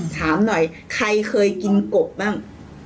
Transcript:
ถามหน่อยใครเคยกินกบบ้าง